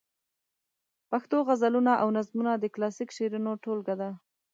پښتو غزلونه او نظمونه د کلاسیک شعرونو ټولګه ده.